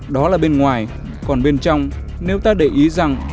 đó là bên ngoài còn bên trong nếu ta để ý rằng